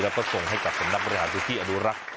แล้วก็ส่งให้กับคำนับบริหารที่อดูรัก